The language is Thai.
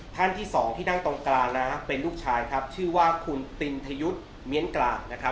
ท่านที่สองที่นั่งตรงกลางนะเป็นลูกชายครับชื่อว่าคุณตินทยุทธ์เมียนกลางนะครับ